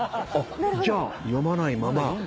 じゃあ読まないまま。